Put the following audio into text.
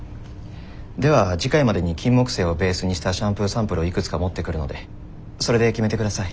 では次回までにキンモクセイをベースにしたシャンプーサンプルをいくつか持ってくるのでそれで決めて下さい。